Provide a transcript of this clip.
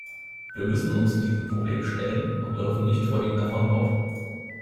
Wir müssen uns diesem Problem stellen und dürfen nicht vor ihm davonlaufen.